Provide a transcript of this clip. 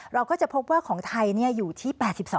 เราก็จะพบว่าของไทยอยู่ที่๘๒